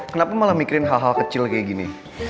kenapa malah mikirin hal hal kecil kayak gini